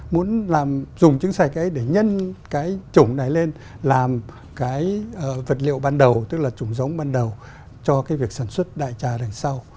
muốn dùng chứng sạch ấy để nhân cái chủng này lên làm cái vật liệu ban đầu tức là chủng giống ban đầu cho cái việc sản xuất đại trà đằng sau